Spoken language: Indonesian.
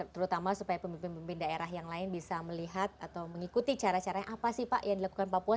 terutama supaya pemimpin pemimpin daerah yang lain bisa melihat atau mengikuti cara caranya apa sih pak yang dilakukan papua